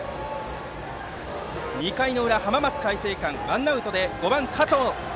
２回の裏、浜松開誠館はワンアウトで５番の加藤。